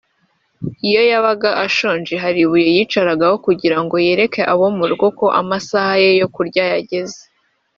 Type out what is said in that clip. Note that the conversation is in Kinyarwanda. iyo yabaga ashonje hari ibuye yicaragaho kugira ngo yereke abo mu rugo ko amasaha ye yo kurya yageze